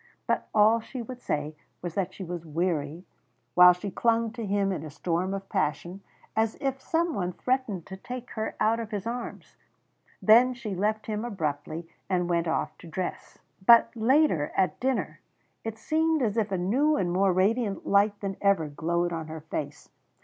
But all she would say was that she was weary, while she clung to him in a storm of passion, as if some one threatened to take her out of his arms. Then she left him abruptly and went off to dress. But later, at dinner, it seemed as if a new and more radiant light than ever glowed on her face.